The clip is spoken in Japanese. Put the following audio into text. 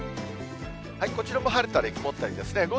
こちらも晴れたり曇ったりですね。